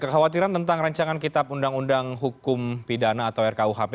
kekhawatiran tentang rancangan kitab undang undang hukum pidana atau rkuhp